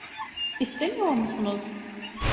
İstemiyor musunuz?